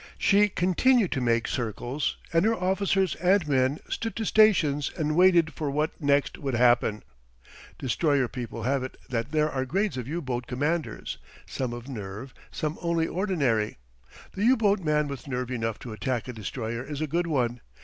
She continued to make circles, and her officers and men stood to stations and waited for what next would happen. Destroyer people have it that there are grades of U boat commanders some of nerve, some only ordinary. The U boat man with nerve enough to attack a destroyer is a good one.